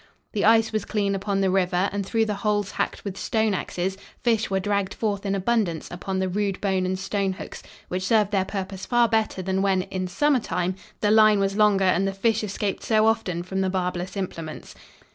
The ice was clean upon the river and through the holes hacked with stone axes fish were dragged forth in abundance upon the rude bone and stone hooks, which served their purpose far better than when, in summer time, the line was longer and the fish escaped so often from the barbless implements.